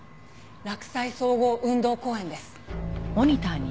洛西総合運動公園です。